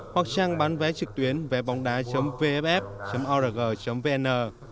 hoặc trang bán vé trực tuyến www vff org vn